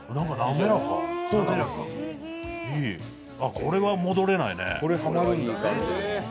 これは戻れないね。